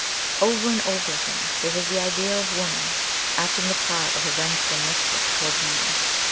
Over and over again, there was the idea of woman, acting the part of a revengeful mischief towards man.